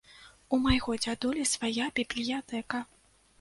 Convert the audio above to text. У майго дзядулі свая бібліятэка.